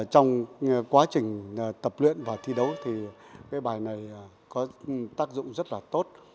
trong quá trình tập luyện và thi đấu thì cái bài này có tác dụng rất là tốt